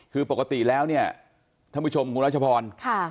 คือปกติแล้วเนี่ยท่านผู้ชมคุณรัชพร